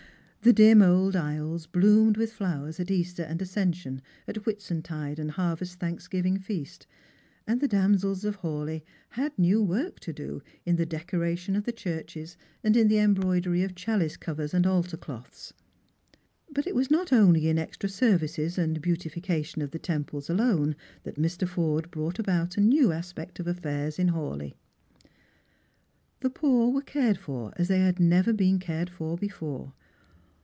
The dim old aisles bloomed with flowers at Easter and Ascension, at Whitsuntide and Harvest thanksgiving feast; and the damsels of Hawleigh hat? new work to do in the decoration of the churches and in the embroidery of chalice covers and altar cloths. , But it was not only in extra services and beautification of the temples alone that Mr. Forde brought about a new aspect of affairs in Hawleigh. The poor were cared for as they had never been cared for before.